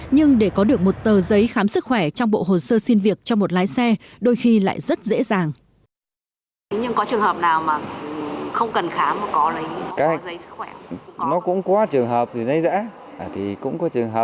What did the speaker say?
nhưng để có được một tờ giấy khám sức khỏe trong bộ hồ sơ xin việc cho một lái xe đôi khi lại rất dễ dàng